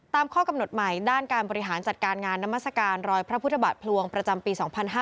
ข้อกำหนดใหม่ด้านการบริหารจัดการงานนามัศกาลรอยพระพุทธบาทพลวงประจำปี๒๕๕๙